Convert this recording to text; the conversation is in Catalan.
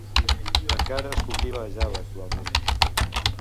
Encara es cultiva a Java actualment.